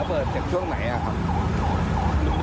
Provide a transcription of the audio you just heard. นับเบิร์ดจากช่วงไหนครับ